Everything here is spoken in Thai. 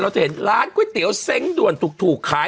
ไม่ได้ตอนนี้เขาเป็นพิธีกรชั้นนำ